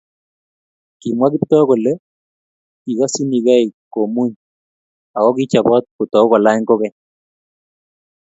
kimwa Kiptoo kole kikosyinigei komuny ako kichobot kotou kolany kokeny